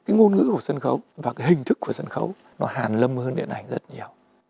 cái ngôn ngữ của sân khấu và cái hình thức của sân khấu nó hàn lâm hơn điện ảnh rất nhiều